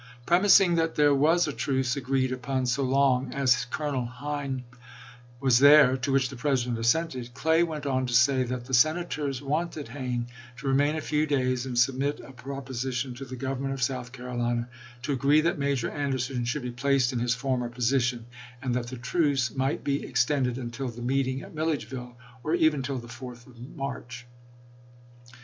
Pre mising that there was a truce agreed upon so long as Colonel Hayne was there (to which the President assented), Clay went on to say that the Senators wanted Hayne " to remain a few days and submit a proposition to the Government of South Carolina to agree that Major Anderson should be placed in his former position," and that the truce " might be ex tended until the meeting at Milledgeville, or even till the 4th of March."